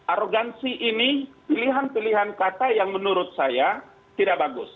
arogansi ini pilihan pilihan kata yang menurut saya tidak bagus